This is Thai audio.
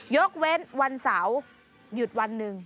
ยกเว้นวันเสาร์หยุดวันหนึ่ง